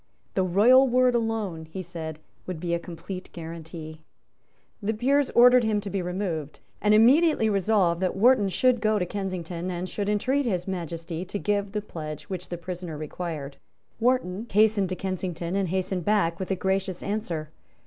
The royal word alone, he said, would be a complete guarantee. The Peers ordered him to be removed, and immediately resolved that Wharton should go to Kensington, and should entreat His Majesty to give the pledge which the prisoner required. Wharton hastened to Kensington, and hastened back with a gracious answer.